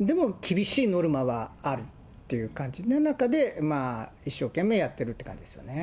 でも厳しいノルマはあるっていう感じの中で、一生懸命やってるって感じですよね。